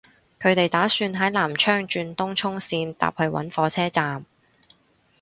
佢哋打算喺南昌轉東涌綫搭去搵火車站